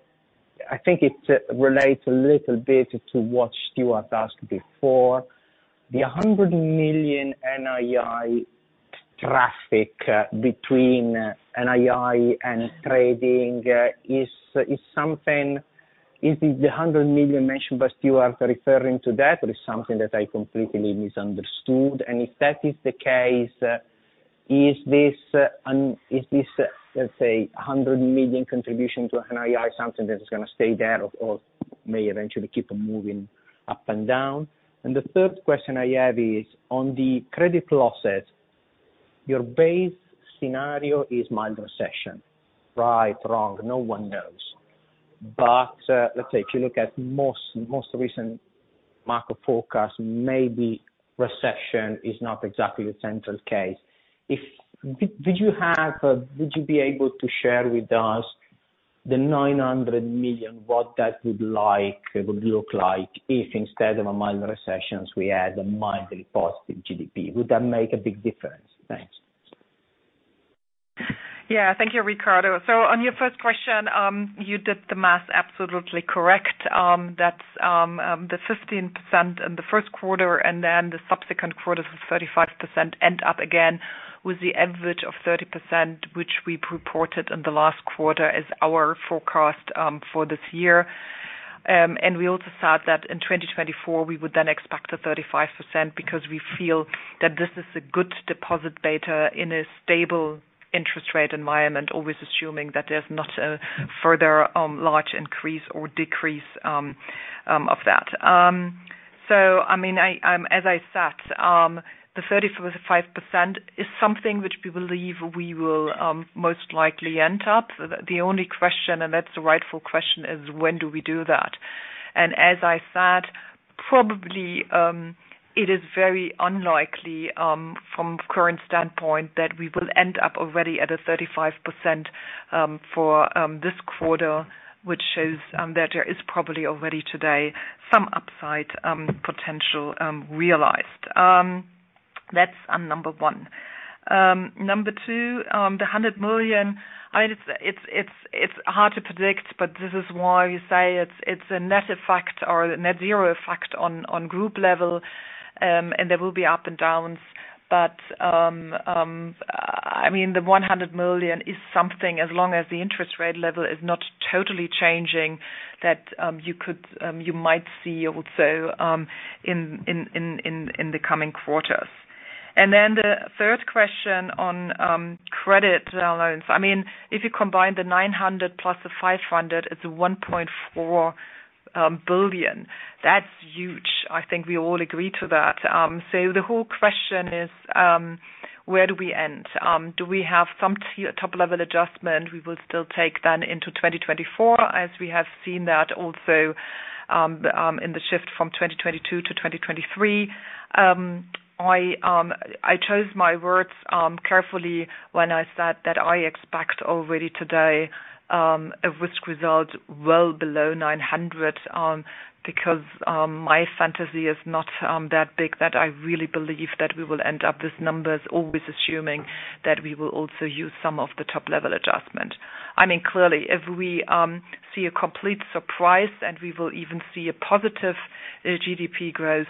I think it relates a little bit to what Stuart asked before. The 100 million NII traffic between NII and trading is something. Is the 100 million mentioned by Stuart referring to that or is something that I completely misunderstood? If that is the case, is this let's say a 100 million contribution to NII something that is gonna stay there or may eventually keep on moving up and down? The third question I have is on the credit losses, your base scenario is mild recession, right, wrong, no one knows. Let's say if you look at most recent market forecast, maybe recession is not exactly the central case. If you would be able to share with us the 900 million, what that would look like if instead of a mild recession, we had a mildly positive GDP? Would that make a big difference? Thanks. Thank you, Riccardo. On your first question, you did the math absolutely correct. That's the 15% in the first quarter and then the subsequent quarters of 35% end up again with the average of 30%, which we reported in the last quarter as our forecast for this year. We also said that in 2024, we would expect a 35% because we feel that this is a good deposit beta in a stable interest rate environment, always assuming that there's not a further large increase or decrease of that. I mean, I, as I said, the 35% is something which we believe we will most likely end up. The only question, that's the rightful question is when do we do that? As I said, probably, it is very unlikely from current standpoint, that we will end up already at a 35% for this quarter, which shows that there is probably already today some upside potential realized. That's on number one. Number two, the 100 million, it's hard to predict, but this is why we say it's a net effect or net zero effect on group level, and there will be up and downs. I mean, the 100 million is something as long as the interest rate level is not totally changing that you could you might see also in the coming quarters. The third question on credit loans. I mean, if you combine the 900 plus the 500, it's 1.4 billion. That's huge. I think we all agree to that. The whole question is, where do we end? Do we have some top-level adjustment we will still take then into 2024, as we have seen that also in the shift from 2022 to 2023. I chose my words carefully when I said that I expect already today, a risk result well below 900 million, because my fantasy is not that big that I really believe that we will end up with numbers always assuming that we will also use some of the top-level adjustment. I mean, clearly, if we see a complete surprise and we will even see a positive GDP growth,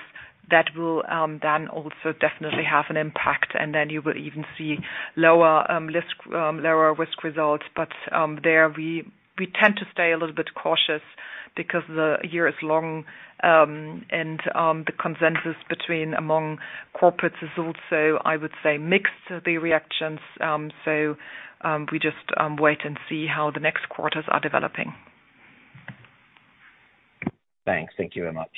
that will then also definitely have an impact. Then you will even see lower risk results. There we tend to stay a little bit cautious because the year is long, and the consensus between among corporates is also, I would say, mixed the reactions. We just wait and see how the next quarters are developing. Thanks. Thank you very much.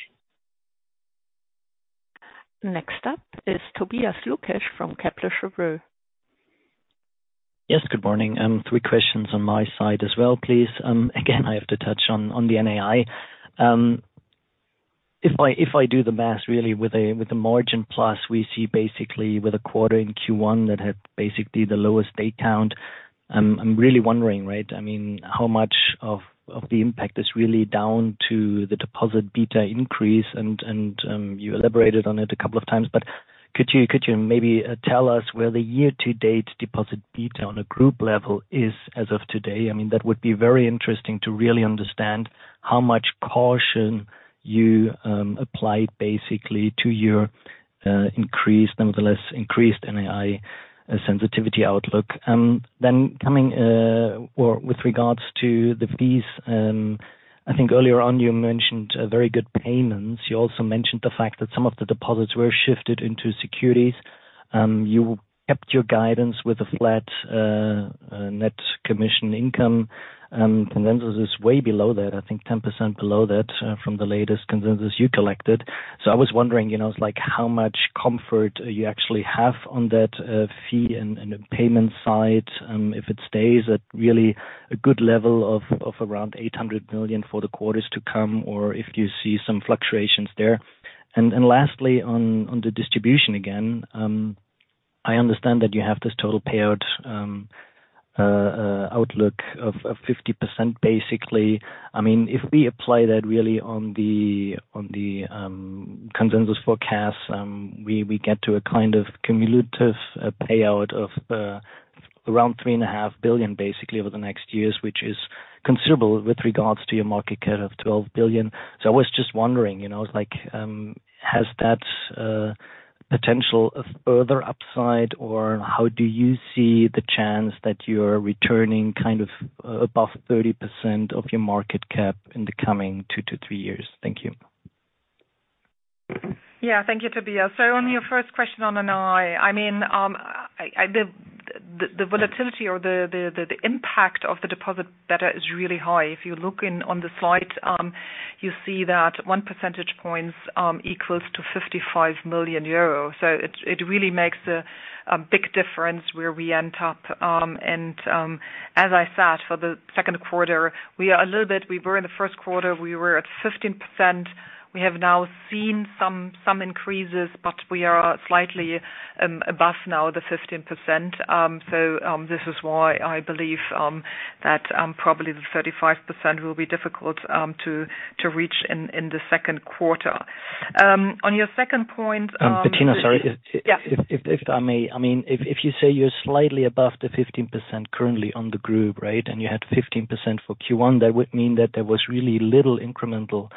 Next up is Tobias Lukesch from Kepler Cheuvreux. Yes, good morning. 3 questions on my side as well, please. Again, I have to touch on the NII. If I do the math really with the margin plus, we see basically with a quarter in Q1 that had basically the lowest day count. I am really wondering, right, I mean, how much of the impact is really down to the deposit beta increase and you elaborated on it a couple of times. Could you maybe tell us where the year-to-date deposit beta on a group level is as of today? I mean, that would be very interesting to really understand how much caution you applied basically to your nonetheless increased NII sensitivity outlook. Coming or with regards to the fees, I think earlier on you mentioned very good payments. You also mentioned the fact that some of the deposits were shifted into securities. You kept your guidance with a flat net commission income. Consensus is way below that. I think 10% below that from the latest consensus you collected. I was wondering, you know, like, how much comfort you actually have on that fee and payment side, if it stays at really a good level of around 800 million for the quarters to come or if you see some fluctuations there. Lastly on the distribution again, I understand that you have this total payout outlook of 50% basically. I mean, if we apply that really on the consensus forecast, we get to a kind of cumulative payout of around 3.5 billion basically over the next years, which is considerable with regards to your market cap of 12 billion. I was just wondering, you know, like, has that potential of further upside or how do you see the chance that you're returning kind of above 30% of your market cap in the coming 2-3 years? Thank you. Yeah. Thank you, Tobias. On your first question on NII, I mean, the volatility or the impact of the deposit beta is really high. If you look in, on the slide, you see that 1 percentage points equals to 55 million euros. It really makes a big difference where we end up. As I said, for the second quarter, we were in the first quarter, we were at 15%. We have now seen some increases, but we are slightly above now the 15%. This is why I believe that probably the 35% will be difficult to reach in the second quarter. On your second point. Bettina, sorry. Yeah. If I may. I mean, if you say you're slightly above the 15% currently on the group, right? You had 15% for Q1, that would mean that there was really little incremental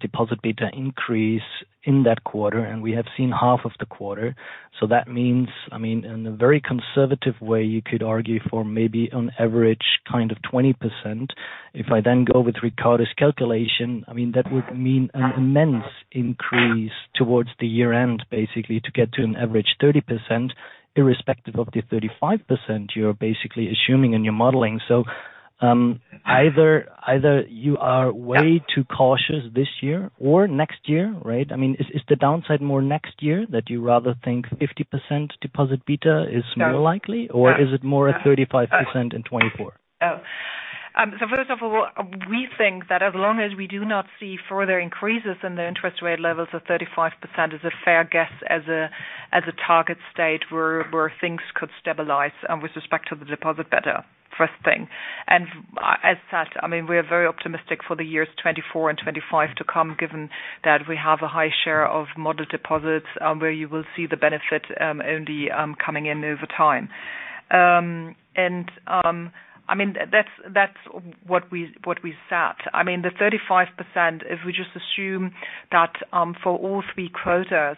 deposit beta increase in that quarter. We have seen half of the quarter. That means, I mean, in a very conservative way, you could argue for maybe on average kind of 20%. If I then go with Riccardo's calculation, I mean, that would mean an immense increase towards the year-end basically to get to an average 30%, irrespective of the 35% you're basically assuming in your modeling. Either you are way too cautious this year or next year, right? I mean, is the downside more next year that you rather think 50% deposit beta is more likely? No. Is it more at 35% in 2024? First of all, we think that as long as we do not see further increases in the interest rate levels of 35% is a fair guess as a target state where things could stabilize with respect to the deposit beta, first thing. As said, I mean, we're very optimistic for the years 2024 and 2025 to come, given that we have a high share of model deposits, where you will see the benefit only coming in over time. I mean, that's what we, what we said. I mean, the 35%, if we just assume that for all three quarters,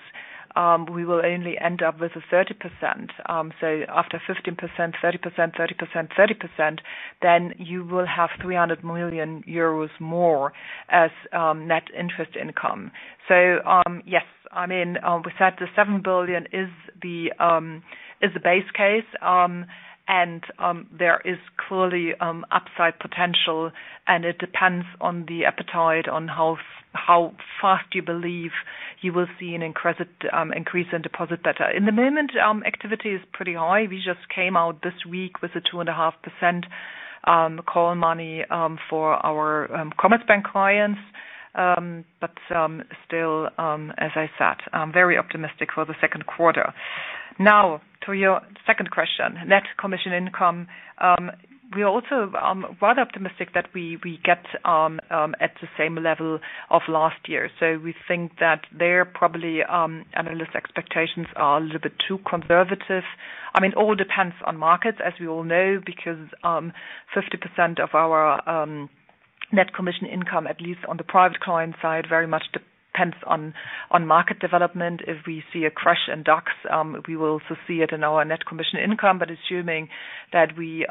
we will only end up with a 30%, after 15%, 30%, 30%, 30%, then you will have 300 million euros more as Net Interest Income. Yes, I mean, we said the 7 billion is the base case. There is clearly upside potential, and it depends on the appetite on how fast you believe you will see an increase in deposit beta. In the moment, activity is pretty high. We just came out this week with a 2.5% call money for our Commerzbank clients. Still, as I said, I'm very optimistic for the second quarter. To your second question, Net commission income, we're also quite optimistic that we get at the same level of last year. We think that there probably analyst expectations are a little bit too conservative. I mean, all depends on markets, as we all know, because 50% of our Net commission income, at least on the private client side, very much depends on market development. If we see a crash in DAX, we will also see it in our Net commission income. Assuming that we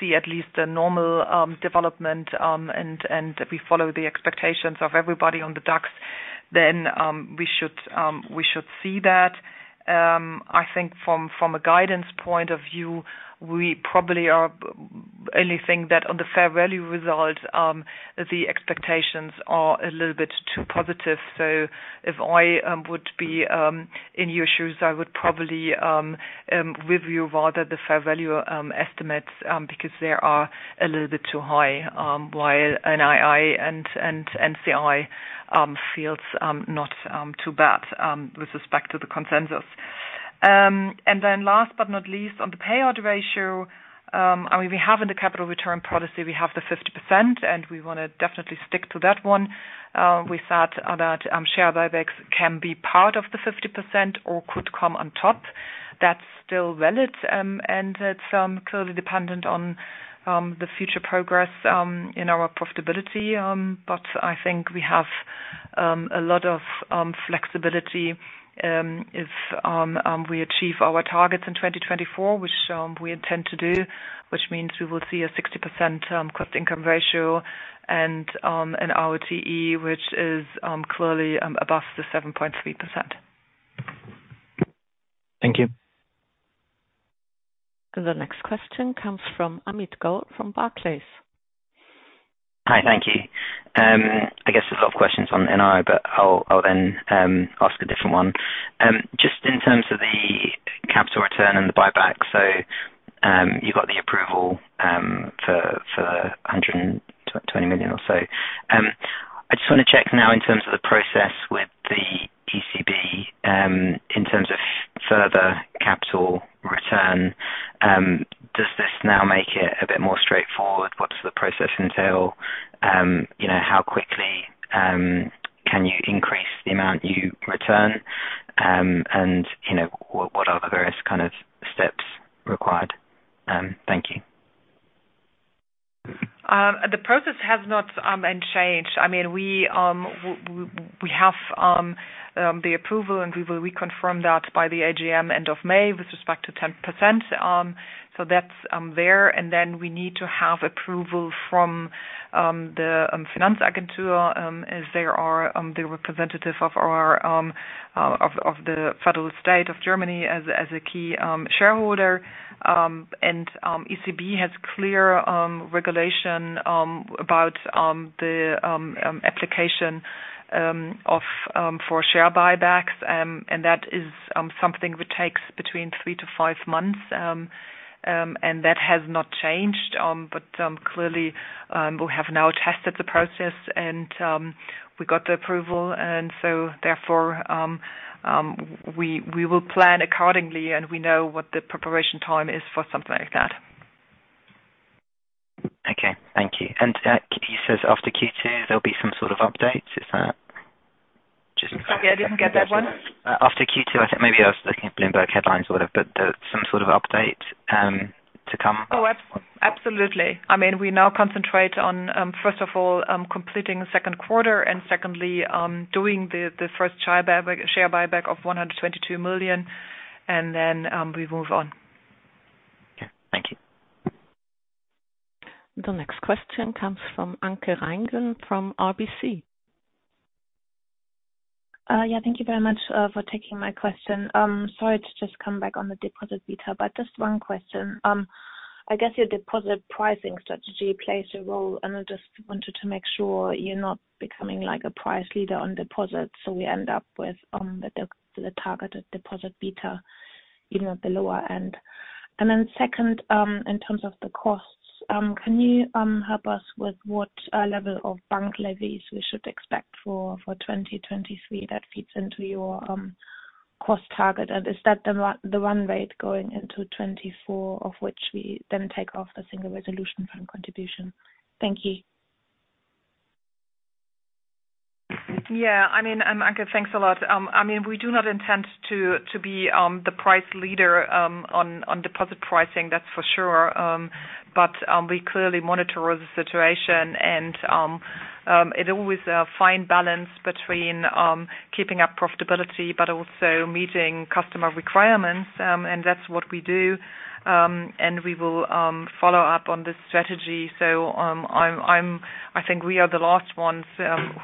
see at least a normal development, and we follow the expectations of everybody on the DAX, then we should see that. I think from a guidance point of view, we probably only think that on the fair value result, the expectations are a little bit too positive. If I would be in your shoes, I would probably review rather the fair value estimates, because they are a little bit too high, while NII and NCI feels not too bad with respect to the consensus. Last but not least, on the payout ratio, I mean, we have in the capital return policy, we have the 50%, we wanna definitely stick to that one. We thought that share buybacks can be part of the 50% or could come on top. That's still valid, and it's clearly dependent on the future progress in our profitability. I think we have a lot of flexibility, if we achieve our targets in 2024, which we intend to do, which means we will see a 60% cost-income ratio and an ROTE which is clearly above the 7.3%. Thank you. The next question comes from Amit Goel from Barclays. Hi. Thank you. I guess there's a lot of questions on NI, but I'll then ask a different one. Just in terms of the capital return and the buyback. You got the approval for 120 million or so. I just wanna check now in terms of the process with the ECB, in terms of further capital return, does this now make it a bit more straightforward? What does the process entail? You know, how quickly can you increase the amount you return, and you know, what are the various kind of steps required? Thank you. The process has not been changed. I mean, we have the approval, and we will reconfirm that by the AGM end of May with respect to 10%. That's there. We need to have approval from the Finanzagentur, as they are the representative of our, of the federal state of Germany as a key shareholder. ECB has clear regulation about the application of for share buybacks. That is something which takes between 3-5 months. That has not changed. Clearly, we have now tested the process and, we got the approval, and so therefore, we will plan accordingly, and we know what the preparation time is for something like that. Okay. Thank you. You says after Q2 there'll be some sort of update. Is that just in case? Sorry, I didn't get that one. After Q2, I think maybe I was looking at Bloomberg headlines or whatever, but some sort of update, to come. Absolutely. I mean, we now concentrate on, first of all, completing second quarter and secondly, doing the first share buyback of 122 million, and then, we move on. Thank you. The next question comes from Anke Reingen from RBC. Yeah. Thank you very much for taking my question. Sorry to just come back on the deposit beta, but just one question. I guess your deposit pricing strategy plays a role, and I just wanted to make sure you're not becoming like a price leader on deposits, so we end up with the targeted deposit beta, you know, at the lower end. Then second, in terms of the costs, can you help us with what level of bank levies we should expect for 2023 that feeds into your cost target? Is that the run rate going into 2024, of which we then take off the Single Resolution Fund contribution? Thank you. Yeah, I mean, Anke, thanks a lot. I mean, we do not intend to be the price leader on deposit pricing, that's for sure. We clearly monitor the situation and it always a fine balance between keeping up profitability but also meeting customer requirements. That's what we do. We will follow up on this strategy. I think we are the last ones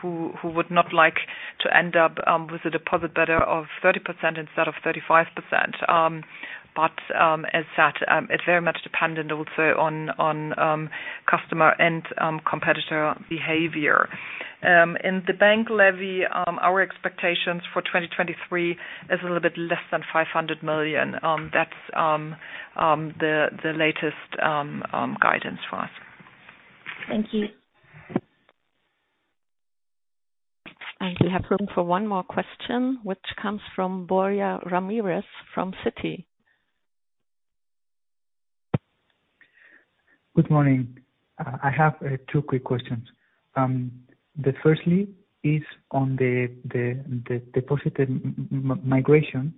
who would not like to end up with a deposit beta of 30% instead of 35%. As said, it's very much dependent also on customer and competitor behavior. In the bank levy, our expectations for 2023 is a little bit less than 500 million. That's the latest guidance for us. Thank you. We have room for one more question, which comes from Borja Ramirez from Citi. Good morning. I have two quick questions. The firstly is on the deposit migration.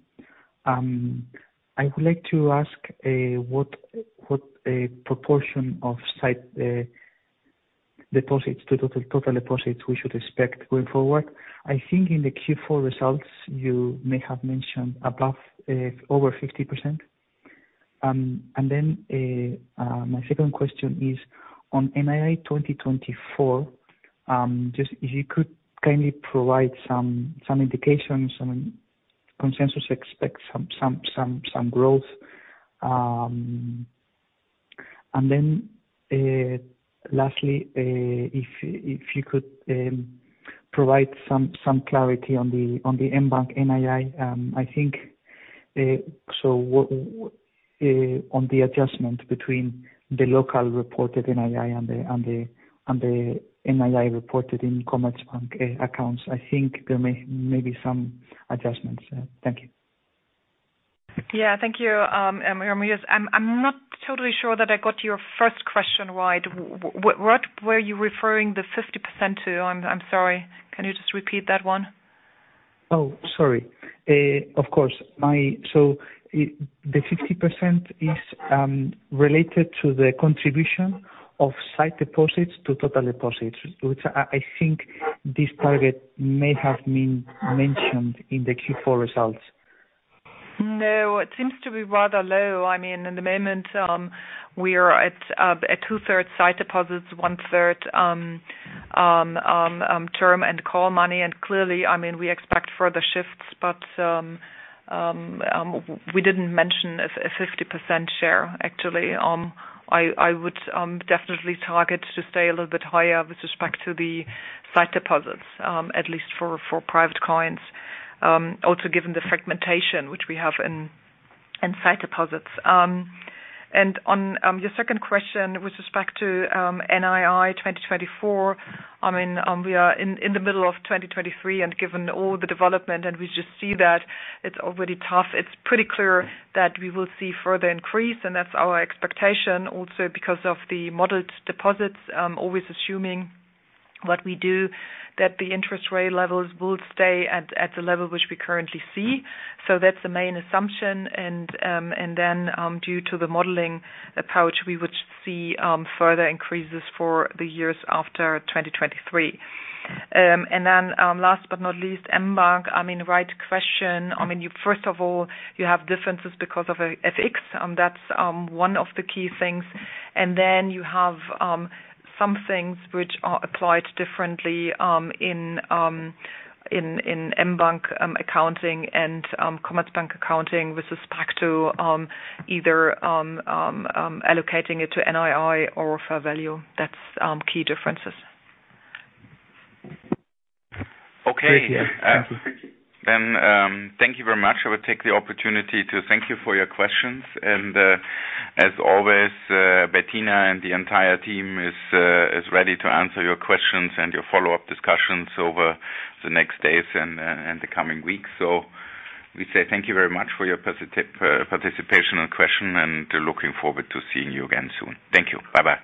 I would like to ask what proportion of sight deposits to total deposits we should expect going forward. I think in the Q4 results you may have mentioned above 50%. My second question is on NII 2024, just if you could kindly provide some indication, some consensus, expect some growth. Lastly, if you could provide some clarity on the mBank NII. I think so on the adjustment between the local reported NII and the NII reported in Commerzbank accounts. I think there may be some adjustments. Thank you. Thank you, Ramirez. I'm not totally sure that I got your first question right. What were you referring the 50% to? I'm sorry. Can you just repeat that one? Oh, sorry. Of course. The 50% is related to the contribution of sight deposits to total deposits, which I think this target may have been mentioned in the Q4 results. It seems to be rather low. I mean, in the moment, we are at 2/3 sight deposits, 1/3 term and call money. Clearly, I mean, we expect further shifts. We didn't mention a 50% share, actually. I would definitely target to stay a little bit higher with respect to the sight deposits, at least for private clients. Also given the fragmentation which we have in sight deposits. On your second question with respect to NII 2024, I mean, we are in the middle of 2023, and given all the development and we just see that it's already tough, it's pretty clear that we will see further increase, and that's our expectation also because of the modeled deposits. Always assuming what we do, that the interest rate levels will stay at the level which we currently see. That's the main assumption. Due to the modeling approach, we would see further increases for the years after 2023. Last but not least, mBank. I mean, right question. I mean, first of all, you have differences because of FX. That's one of the key things. Then you have some things which are applied differently in mBank accounting and Commerzbank accounting with respect to either allocating it to NII or fair value. That's key differences. Okay. Thank you. Thank you very much. I will take the opportunity to thank you for your questions. As always, Bettina and the entire team is ready to answer your questions and your follow-up discussions over the next days and the coming weeks. We say thank you very much for your participation and question and looking forward to seeing you again soon. Thank you. Bye-bye.